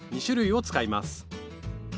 ２種類を使います。